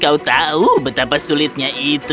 kau tahu betapa sulitnya itu